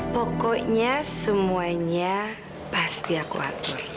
pokoknya semuanya pasti aku atur